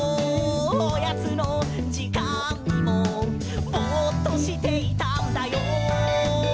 「おやつのじかんもぼっとしていたんだよ」